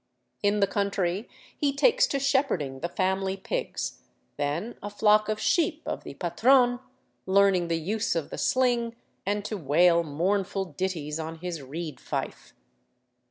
In the country he takes to shepherding the family pigs, then a flock of sheep of the patron, learning the 433 VAGABONDING DOWN THE ANDES use of the sling and to wail mournful ditties on his reed fife.